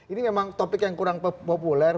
ini memang topik yang kurang populer